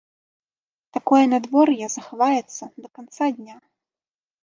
Такое надвор'е захаваецца да канца дня.